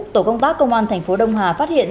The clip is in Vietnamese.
tổ công tác công an tp đông hà phát hiện